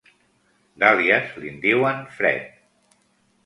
D'àlies li'n diuen Fred.